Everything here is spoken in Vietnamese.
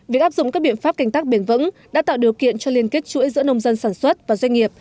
việc áp dụng các biện pháp canh tác bền vững đã tạo điều kiện cho liên kết chuỗi giữa nông dân sản xuất và doanh nghiệp